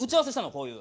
こういう。